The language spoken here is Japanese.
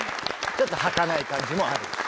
ちょっとはかない感じもある。